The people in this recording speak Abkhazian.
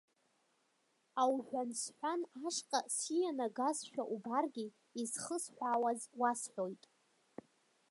Ауҳәан-сҳәан ашҟа сианагазшәа убаргьы изхысҳәааз уасҳәоит.